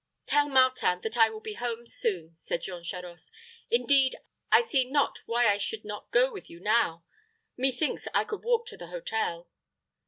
"Tell Martin that I will be home soon," said Jean Charost. "Indeed, I see not why I should not go with you now. Methinks I could walk to the hotel."